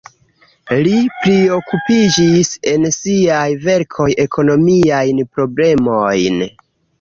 Li priokupiĝis en siaj verkoj ekonomiajn problemojn.